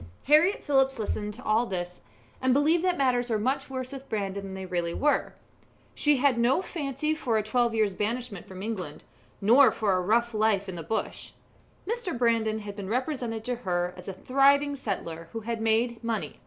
Harriett Phillips listened to all this, and believed that matters were much worse with Brandon than they really were. She had no fancy for a twelve years' banishment from England, nor for a rough life in the bush. Mr. Brandon had been represented to her as a thriving settler who had made money.